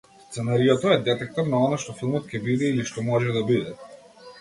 Сценариото е детектор на она што филмот ќе биде или што може да биде.